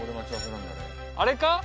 あれか？